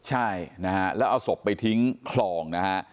ใช่นะฮะแล้วเอาศพไปทิ้งคลองนะฮะ